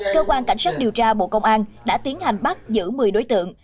cơ quan cảnh sát điều tra bộ công an đã tiến hành bắt giữ một mươi đối tượng